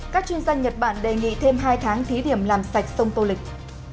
các chuyên gia nhật bản đề nghị thêm hai tháng thí điểm làm sạch sông tô lịch